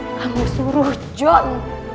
kamu suruh john